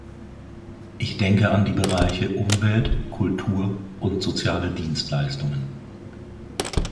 Ich denke an die Bereiche Umwelt, Kultur und soziale Dienstleistungen.